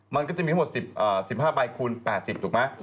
มันก็จะมีทั้งหมด๑๕ใบคูณ๘๐ดูดูมั้ย